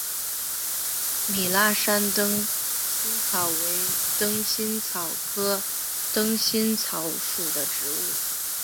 米拉山灯心草为灯心草科灯心草属的植物。